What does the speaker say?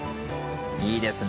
いいですね。